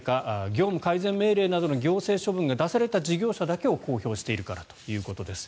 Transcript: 業務改善命令などの行政処分が出された事業者だけを公表しているからということです。